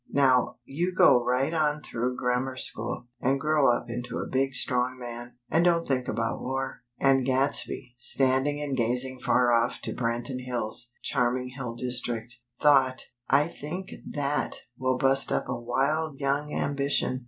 Now, you go right on through Grammar School, and grow up into a big strong man, and don't think about war;" and Gadsby, standing and gazing far off to Branton Hills' charming hill district, thought: "I think that will bust up a wild young ambition!"